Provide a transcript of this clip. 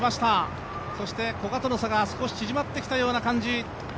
そして、古賀との差が少し縮まってきたような感じ。